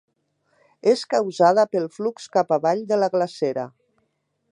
És causada pel flux cap avall de la glacera.